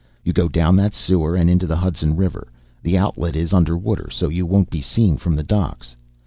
You go down that sewer and into the Hudson River. The outlet is under water, so you won't be seen from the docks.